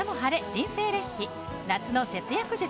人生レシピ」夏の節約術。